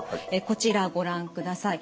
こちらご覧ください。